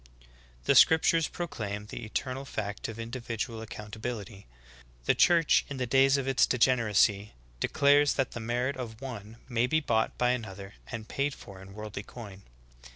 "^ 16. The scriptures proclaim the eternal fact of indi vidual accountability;* the Church in the days of its de generacy declares that the merit of one may be bought by another and paid for in worldly coin.